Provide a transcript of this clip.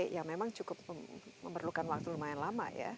ya memang cukup memerlukan waktu lumayan lama ya